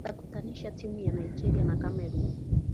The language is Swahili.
takutanisha timu ya nigeria na cameroon